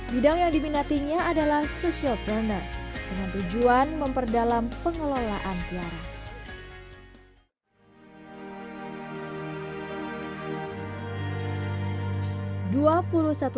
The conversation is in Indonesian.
bidang yang diminatinya adalah social planner dengan tujuan memperdalam pengelolaan tiara